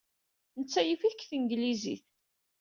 Netta yif-iyi deg tanglizit.